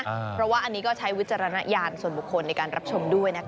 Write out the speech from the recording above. เพราะว่าอันนี้ก็ใช้วิจารณญาณส่วนบุคคลในการรับชมด้วยนะคะ